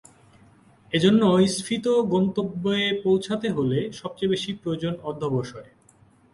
এজন্য স্ফীত গন্তব্যে পৌছাতে হলে সবচেয়ে বেশি প্রয়োজন অধ্যবসায়।